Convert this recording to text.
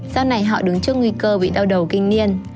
sau này họ đứng trước nguy cơ bị đau đầu kinh niên